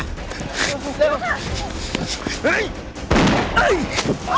เร็วค่ะ